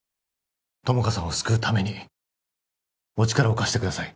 友果さんを救うためにお力を貸してください